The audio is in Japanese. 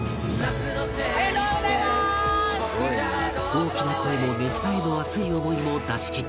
大きな声もねぷたへの熱い思いも出しきった